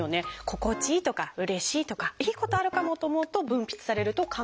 「心地いい」とか「うれしい」とか「いいことあるかも」と思うと分泌されると考えられている。